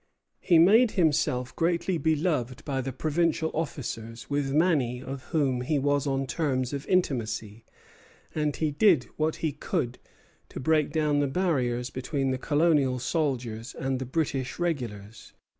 He made himself greatly beloved by the provincial officers, with many of whom he was on terms of intimacy, and he did what he could to break down the barriers between the colonial soldiers and the British regulars.